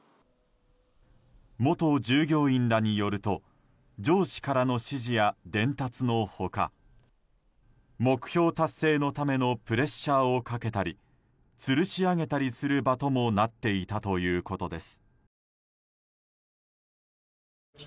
元従業員らによると上司からの指示や伝達の他目標達成のためのプレッシャーをかけたりつるし上げたりする場ともなっていたということです。